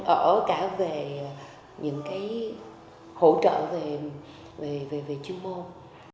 ở cả về những cái hỗ trợ về chuyên môn